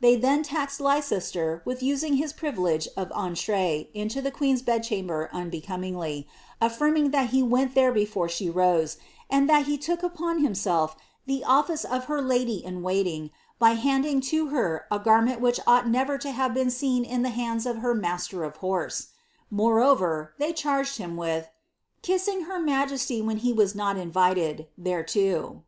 They then taxed Leicester with ua his privilege of eatree into the queen^s bed chamber unbernmin) affirming that he went there before ahe rose, and that he took upon h ■elf the office of her lady in waiting, by handing to her a garment wh ought never to have been seen in the hands of her master of ho Moreover, they charged him with " kissing her majesty when he > not invited, thereto."